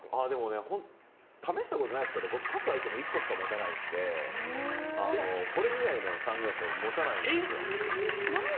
試したことないですけど各アイテム１個しか持たないんでこれ以外のサングラスを持たないんですよ。